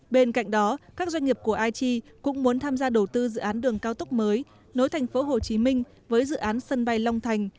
bên cạnh đó các doanh nghiệp của aichi cũng muốn tham gia đầu tư dự án đường cao tốc mới nối thành phố hồ chí minh với dự án sân bay long thành